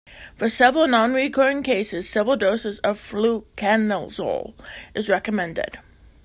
For severe nonrecurring cases, several doses of fluconazole is recommended.